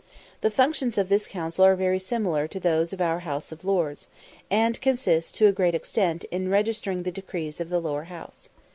The functions of this council are very similar to those of our House of Peers, and consist, to a great extent, in registering the decrees of the Lower House.